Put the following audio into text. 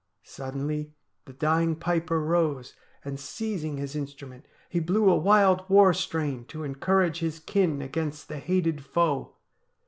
Suddenly the dying piper rose, and, seizing his instrument, he blew a wild war strain to encourage his kin against the hated oe.